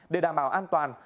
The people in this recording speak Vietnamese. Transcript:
để đảm bảo an toàn